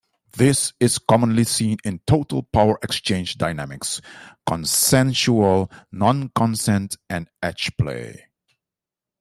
This is commonly seen in total power exchange dynamics, consensual non-consent, and edgeplay.